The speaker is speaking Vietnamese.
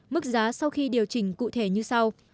mức giá sau khi điều chỉnh cụ thể như sau